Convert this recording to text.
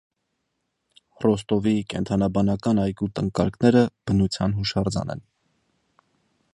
Ռոստովի կենդանաբանական այգու տնկարկները բնության հուշարձան են։